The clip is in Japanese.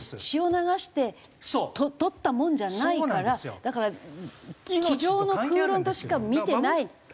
血を流して取ったものじゃないからだから机上の空論としか見てない。